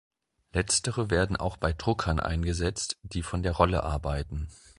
Letztere werden auch bei Druckern eingesetzt, die von der Rolle arbeiten.